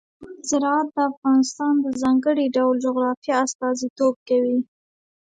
زراعت د افغانستان د ځانګړي ډول جغرافیه استازیتوب کوي.